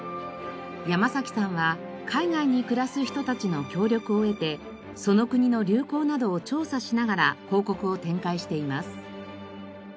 山さんは海外に暮らす人たちの協力を得てその国の流行などを調査しながら広告を展開しています。